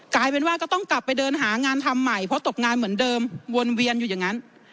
กลายเป็นว่าก็ต้องกลับไปเดินหางานทำใหม่เพราะตกงานเหมือนเดิมวนเวียนอยู่อย่างนั้น